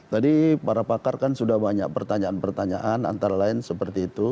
tadi para pakar kan sudah banyak pertanyaan pertanyaan antara lain seperti itu